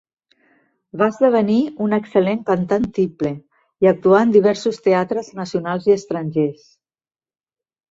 Va esdevenir una excel·lent cantant tiple i actuà en diversos teatres nacionals i estrangers.